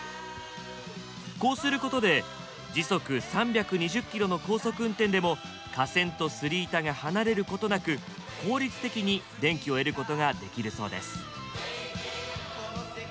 こうすることで時速３２０キロの高速運転でも架線とすり板が離れることなく効率的に電気を得ることができるそうです。